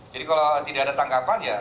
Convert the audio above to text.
jadi kalau tidak ada tanggapan ya